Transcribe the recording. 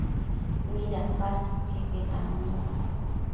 Midapadquio iqueque tannu